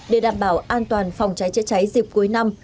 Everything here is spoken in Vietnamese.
để đảm bảo an toàn phòng cháy chữa cháy dịp cuối năm